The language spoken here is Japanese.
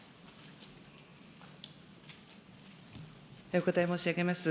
お答え申し上げます。